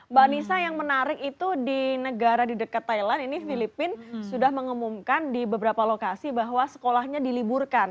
mbak anissa yang menarik itu di negara di dekat thailand ini filipina sudah mengumumkan di beberapa lokasi bahwa sekolahnya diliburkan